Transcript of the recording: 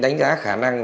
đánh giá khả năng